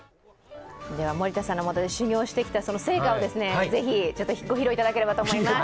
では森田さんのもとで修業してきた成果を是非ご披露いただければと思います。